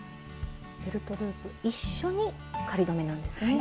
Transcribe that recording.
ベルトループ一緒に仮留めなんですね。